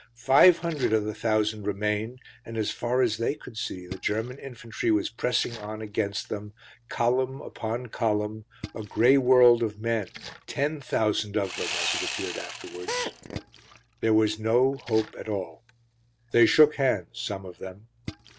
Five hundred of the thousand remained, and as far as they could see the German infantry was pressing on against them, column upon column, a grey world of men, ten thousand of them, as it appeared afterwards. There was no hope at all. They shook hands, some of them.